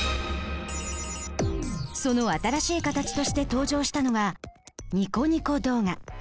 その新しい形として登場したのが「ニコニコ動画」。